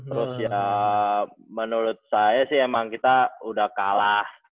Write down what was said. terus ya menurut saya sih emang kita udah kalah